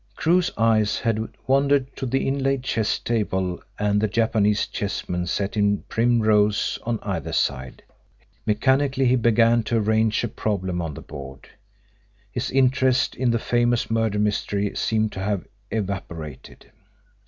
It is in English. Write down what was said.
Crewe's eyes had wandered to the inlaid chess table and the Japanese chessmen set in prim rows on either side. Mechanically he began to arrange a problem on the board. His interest in the famous murder mystery seemed to have evaporated.